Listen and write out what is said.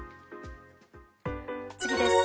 次です。